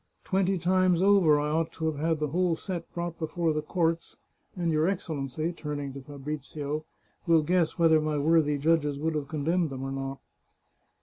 Twenty times over I ought to have had the whole set brought before the courts, and your Excellency " (turning to Fabrizio) " will guess whether my worthy judges would have condemned them or not."